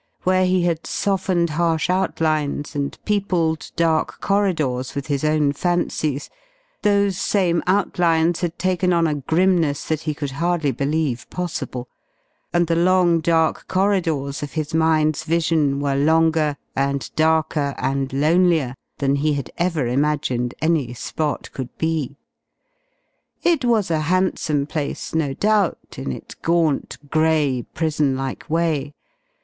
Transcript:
Where he had softened harsh outlines, and peopled dark corridors with his own fancies, those same outlines had taken on a grimness that he could hardly believe possible, and the long, dark corridors of his mind's vision were longer and darker and lonelier than he had ever imagined any spot could be. It was a handsome place, no doubt, in its gaunt, gray, prisonlike way.